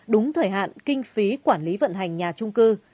đúng thời hạn kinh phí quản lý vận hành nhà trung cư